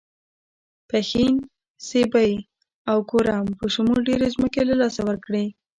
پښین، سیبۍ او کورم په شمول ډېرې ځمکې له لاسه ورکړې.